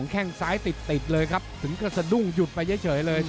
แค่งซ้ายติดเลยครับถึงกระสะดุ้งหยุดไปเฉยเลย